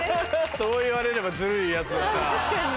そう言われればずるいヤツだな。